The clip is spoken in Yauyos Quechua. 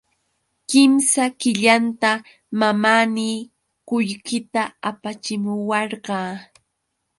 Kimsa killanta mamaanii qullqita apachimuwarqa.